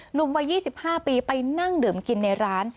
หนุ่มวัย๒๕ปีไปนั่งดื่มกินในร้าน